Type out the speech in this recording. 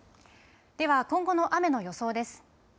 では今後の雨の予想です。